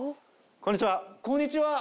こんにちは。